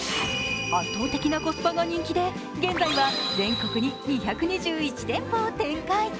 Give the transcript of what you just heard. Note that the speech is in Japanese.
圧倒的なコスパが人気で、現在は全国に２２１店舗を展開。